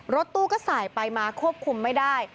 รถตู้ก็สายไปมาควบคุมไม่ได้